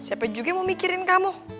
siapa juga yang mau mikirin kamu